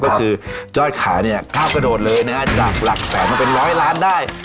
ก็คือยอดขายเนี่ยก้าวกระโดดเลยนะฮะจากหลักแสนมาเป็นร้อยล้านได้